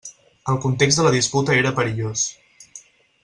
El context de la disputa era perillós.